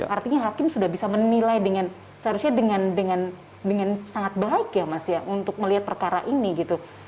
artinya hakim sudah bisa menilai dengan seharusnya dengan sangat baik ya mas ya untuk melihat perkara ini gitu